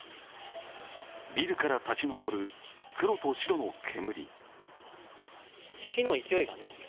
ビルから立ち上る黒と白の煙。